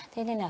thế nên là